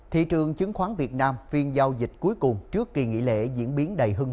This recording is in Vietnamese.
thị trường chứng khoán việt nam phiên giao dịch cuối cùng trước kỳ nghỉ lễ diễn biến đầy hưng